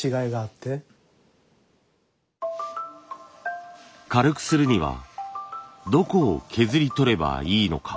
軽くするにはどこを削り取ればいいのか。